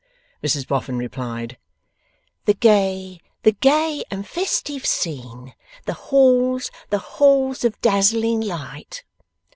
Mrs Boffin replied: '"The gay, the gay and festive scene, The halls, the halls of dazzling light."